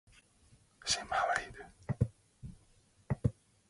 She married Rudi Nassauer, a wine merchant and novelist.